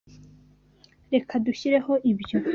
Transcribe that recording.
Reka dushyireho ibyo.